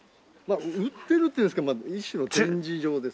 売ってるっていいますか一種の展示場です。